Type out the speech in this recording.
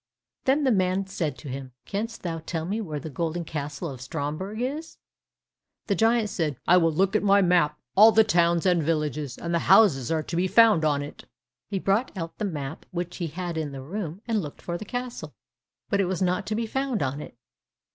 Then the man said to him, "Canst thou tell me where the golden castle of Stromberg is?" The giant said, "I will look at my map; all the towns, and villages, and houses are to be found on it." He brought out the map which he had in the room and looked for the castle, but it was not to be found on it.